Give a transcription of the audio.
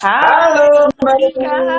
halo selamat datang